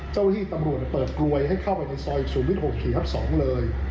เจ้าที่ตำรวจจะเปิดรวยให้เข้าไปในซอยศูนย์วิทย์หกเขียวสองเลย